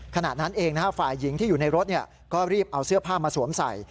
ขณะนั้นเองฝ่ายหญิงที่อยู่ในรถก็รีบเอาเสื้อผ้ามาสวมใส่